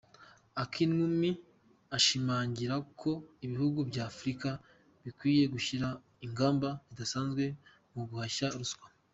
Akinwumi ashimangira ko ibihugu bya Afurika bikwiye gushyiraho ingamba zidasanzwe zo guhashya ruswa.